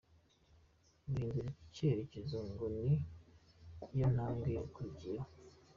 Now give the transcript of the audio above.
Guhindura icyerekezo ngo ni yo ntambwe iba ikurikiyeho.